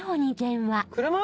車？